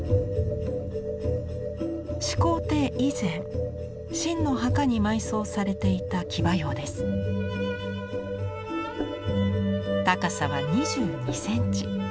始皇帝以前秦の墓に埋葬されていた高さは２２センチ。